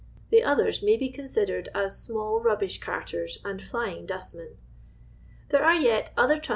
The others may 1h» con sidered iLA small rubbish carters and tiyiu'i dnstmcn. There are yet other tnin